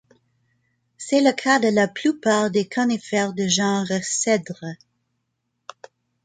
C'est le cas de la plupart des conifères de genre cèdres.